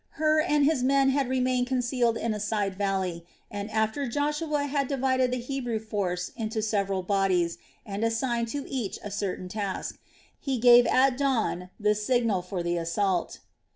Hur and his men had remained concealed in a side valley, and after Joshua had divided the Hebrew force into several bodies and assigned to each a certain task, he gave at dawn the signal for the assault.